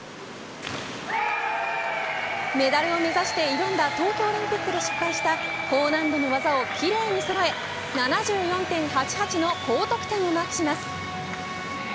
メダルを目指して挑んだ東京オリンピックで失敗した高難度の技を奇麗にそろえ７４．８８の高得点をマークします。